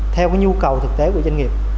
theo nhu cầu thực tế của doanh nghiệp